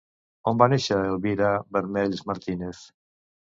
On va néixer Elvira Bermells Martínez?